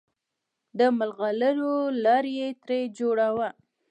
د ملغلرو لړ یې ترې جوړاوه.